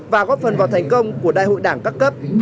và góp phần vào thành công của đại hội đảng các cấp